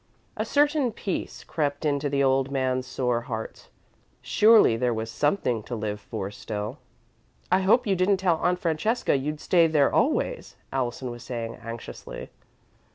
A certain peace crept into the old man's sore heart. Surely there was something to live for still. "I hope you didn't tell Aunt Francesca you'd stay there always," Allison was saying, anxiously.